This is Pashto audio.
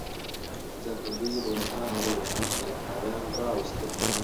ځکه دوی روسان او امریکایان راوستل.